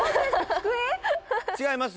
机？違います？